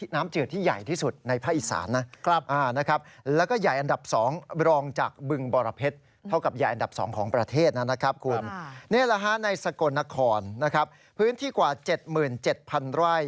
ในที่นี่นะฮะในสกลนครพื้นที่กว่า๗๗๐๐๐ไร่